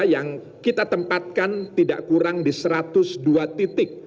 yang kita tempatkan tidak kurang di satu ratus dua titik